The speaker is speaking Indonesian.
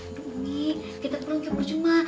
aduh umi kita pulang ke purwocuma